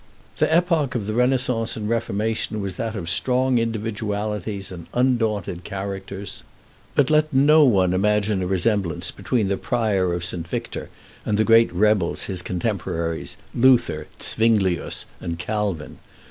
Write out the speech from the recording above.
"The epoch of the Renaissance and the Reformation was that of strong individualities and undaunted characters. But let no one imagine a resemblance between the prior of St. Victor and the great rebels his contemporaries, Luther, Zwinglius, and Calvin.